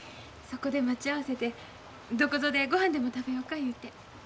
そこで待ち合わせてどこぞでごはんでも食べよか言うて。